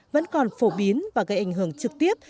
vẫn còn phổ biến và gây ảnh hưởng trực tiếp